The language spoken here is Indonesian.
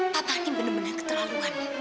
papa ini bener bener keterlaluan